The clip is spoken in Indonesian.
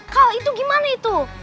kau itu gimana itu